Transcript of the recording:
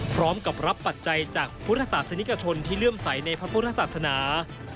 พร้อมกับรับปัจจัยจากพุทธศาสนิกชนที่เลื่อมใสในพระพุทธศาสนา